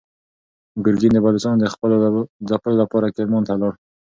ګورګین د بلوڅانو د ځپلو لپاره کرمان ته لاړ.